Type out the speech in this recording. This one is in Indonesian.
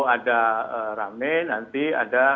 ada ramai nanti ada